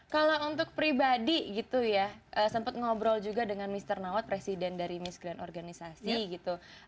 kalau untuk pribadi gitu ya sempat ngobrol juga dengan mr nawat presiden dari misk grand organisasi gitu